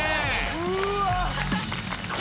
うわ。